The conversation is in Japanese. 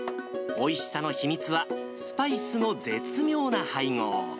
おいしさの秘密は、スパイスの絶妙な配合。